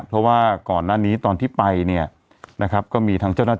เพราะว่าก่อนหน้านี้ตอนที่ไปเนี่ยนะครับก็มีทั้งเจ้าหน้าที่